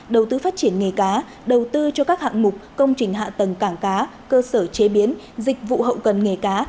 đầu tư phát triển nghề cá đầu tư cho các hạng mục công trình hạ tầng cảng cá cơ sở chế biến dịch vụ hậu cần nghề cá